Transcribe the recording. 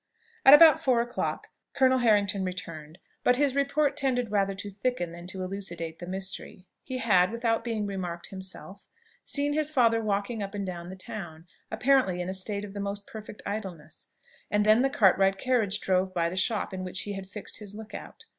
At about four o'clock Colonel Harrington returned; but his report tended rather to thicken than to elucidate the mystery. He had, without being remarked himself, seen his father walking up and down the town apparently in a state of the most perfect idleness; and then the Cartwright carriage drove by the shop in which he had fixed his look out.